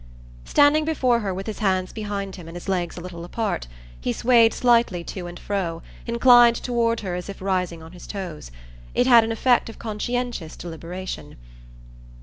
Standing before her with his hands behind him and his legs a little apart, he swayed slightly to and fro, inclined toward her as if rising on his toes. It had an effect of conscientious deliberation.